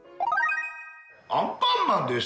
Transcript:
アンパンマンです！